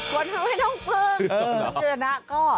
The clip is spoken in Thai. คนทำให้น้องเฟิร์ก